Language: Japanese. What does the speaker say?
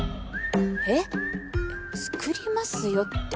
えっ！？作りますよって。